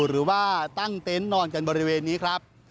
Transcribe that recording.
หรือว่าตั้งเต็นต์นอนกันบริเวณนี้ครับ